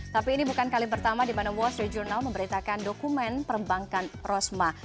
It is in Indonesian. tapi ini bukan kali pertama di mana wall street journal memberitakan dokumen perbankan rosmah